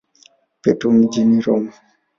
Petro mjini Roma.